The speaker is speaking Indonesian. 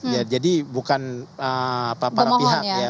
ya jadi bukan para pihak ya